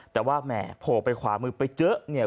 แต่ว่าแหมโผล่ไปขวามือไปเจอเนี่ย